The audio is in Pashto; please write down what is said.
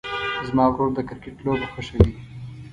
زما ورور د کرکټ لوبه خوښوي.